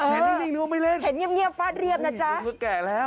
เห็นเงียบเฟ้าค์เรี่ยมนะจ้า